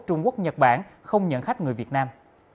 trung quốc nhật bản không nhận khách người việt nam